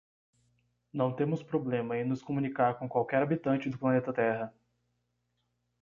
Não temos problema em nos comunicar com qualquer habitante do planeta Terra.